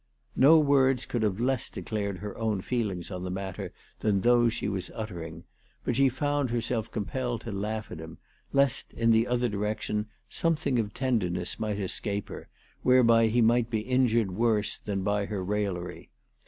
So words could have less declared her own feelings on the matter than those she was uttering ; but she found herself compelled to laugh at him, lest, in the other direction, something of tenderness might escape her, whereby he might be injured worse than by her rail lery.